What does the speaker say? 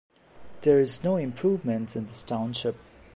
There is no improvements in this Township.